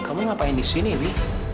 kamu ngapain disini wih